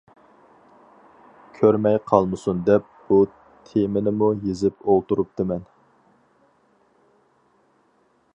كۆرمەي قالمىسۇن دەپ، بۇ تېمىنىمۇ يېزىپ ئولتۇرۇپتىمەن.